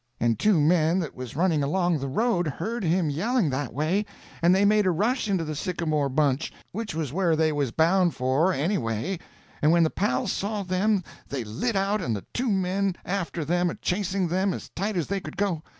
And two men that was running along the road heard him yelling that way, and they made a rush into the sycamore bunch—which was where they was bound for, anyway—and when the pals saw them they lit out and the two new men after them a chasing them as tight as they could go.